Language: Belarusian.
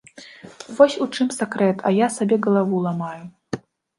Вось у чым сакрэт, а я сабе галаву ламаю.